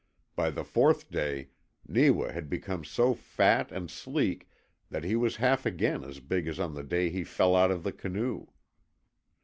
By the fourth day Neewa had become so fat and sleek that he was half again as big as on the day he fell out of the canoe.